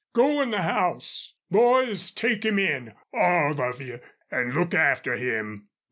... Go in the house. Boys, take him in all of you an' look after him."